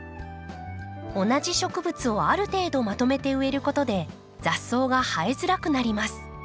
同じ植物をある程度まとめて植えることで雑草が生えづらくなります。